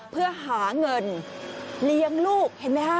เพื่อหาเงินเลี้ยงลูกเห็นไหมฮะ